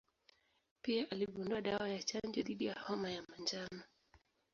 Pia aligundua dawa ya chanjo dhidi ya homa ya manjano.